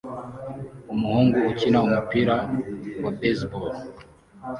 Umuhungu akina umupira wa baseball